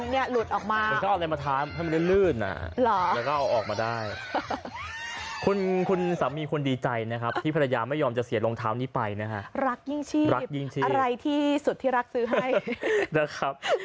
เออก็แต่สุดท้ายเนี่ยก็ออกแรนดึง